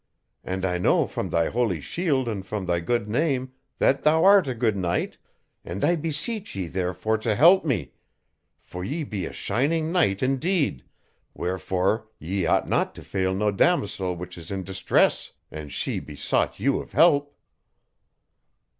And I know from thy holy shield and from they good name that thou art a good knight, and I beseech ye therefore to help me, for ye be a shining knight indeed, wherefore ye ought not to fail no damosel which is in distress, and she besought you of help."